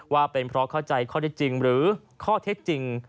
ว่าเป็นเพราะเข้าใจข้อได้จริงหรือข้อเท็จจริง